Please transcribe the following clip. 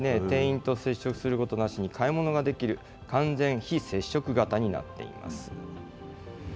店員と接触することなしに買い物ができる、完全非接触型になっています。